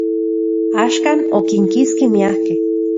Axkan, okinkitski miakej.